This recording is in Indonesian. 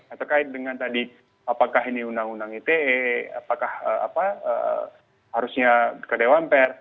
terkait dengan tadi apakah ini undang undang ite apakah harusnya ke dewan pers